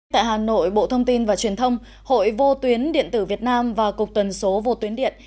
tại hà nội bộ thông tin và truyền thông hội vô tuyến điện tử việt nam và cục tuần số vô tuyến điện